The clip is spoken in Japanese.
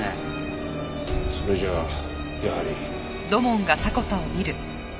それじゃあやはり。